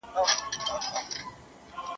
خصوصي سکتور په دې برخه کې پانګونه کړې.